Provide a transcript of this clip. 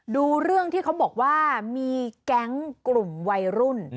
ดูเรื่องที่เขาบอกว่ามีแก๊งกลุ่มวัยรุ่น